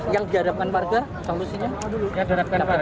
yang diharapkan warga itu